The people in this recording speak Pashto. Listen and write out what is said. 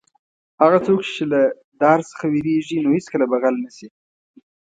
هغه څوک چې له دار څخه وېرېږي نو هېڅکله به غل نه شي.